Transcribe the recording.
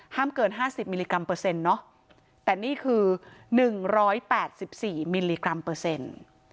ห้ามเกิน๕๐มิลลิกรัมเปอร์เซ็นต์เนอะแต่นี่คือ๑๘๔มิลลิกรัมเปอร์เซ็นต์